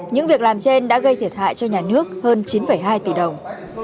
những việc làm trên đã gây thiệt hại cho nhà nước hơn chín hai tỷ đồng